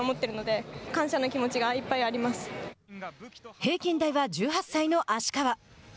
平均台は１８歳の芦川。